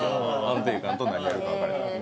安定感と何やるか分からない